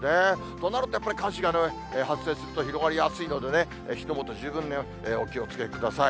となると、やっぱり火事が発生すると広がりやすいのでね、火の元、十分お気をつけください。